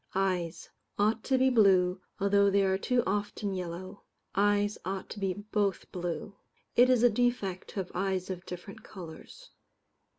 Eyes: ought to be blue, although they are too often yellow. Eyes ought to be both blue. It is a defect to have eyes of different colours.